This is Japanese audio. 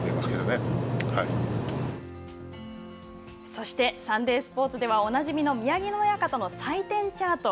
そしてサンデースポーツではおなじみの宮城野親方の採点チャート。